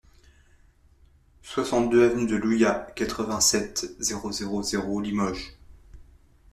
soixante-deux avenue de Louyat, quatre-vingt-sept, zéro zéro zéro, Limoges